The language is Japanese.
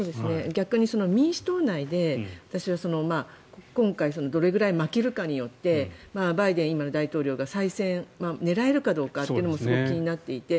逆に民主党内で今回どれくらい負けるかによってバイデン、今の大統領が再選を狙えるかどうかもすごく気になっていて。